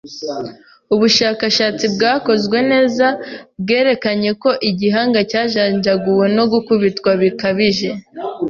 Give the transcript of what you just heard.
Ubushakashatsi bwakozwe neza bwerekanye ko igihanga cyajanjaguwe no gukubitwa bikabije.